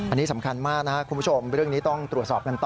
อันนี้สำคัญมากนะครับคุณผู้ชมเรื่องนี้ต้องตรวจสอบกันต่อ